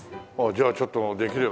じゃあちょっとできれば。